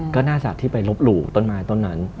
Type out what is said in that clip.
ก็น่าจะที่ไปลบหลู่ต้นไม้ต้นนั้น